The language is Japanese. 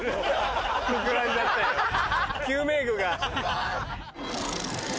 救命具が。